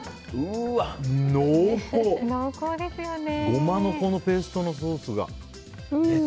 ゴマのペーストのソースが。